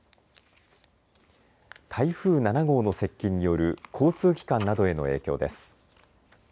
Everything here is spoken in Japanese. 台風７号の接近による交通機関などへの影響です。